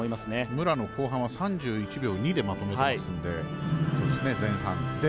武良の後半３１秒２でまとめていますんで前半で。